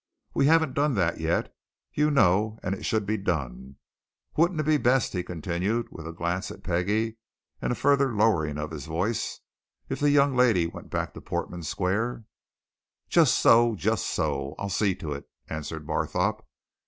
We haven't done that yet, you know, and it should be done. Wouldn't it be best," he continued with a glance at Peggie and a further lowering of his voice, "if the young lady went back to Portman Square?" "Just so, just so I'll see to it," answered Barthorpe.